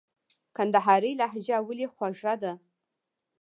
کندهارۍ لهجه ولي خوږه ده ؟